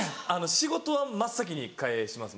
仕事は真っ先に返します